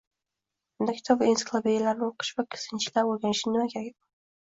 Unda kitob va ensiklopediyalarni o‘qish va sinchiklab o‘rganishning nima keragi bor?